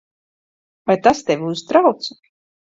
Vai tas tevi uztrauc?